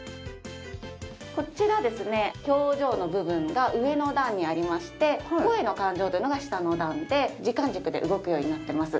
こちらですね表情の部分が上の段にありまして声の感情というのが下の段で時間軸で動くようになってます。